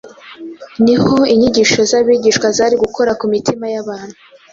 niho inyigisho z’abigishwa zari gukora ku mitima y’abantu.